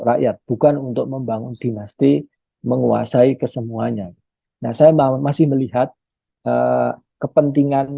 rakyat bukan untuk membangun dinasti menguasai kesemuanya nah saya masih melihat kepentingan